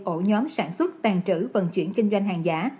ổ nhóm sản xuất tàn trữ vận chuyển kinh doanh hàng giả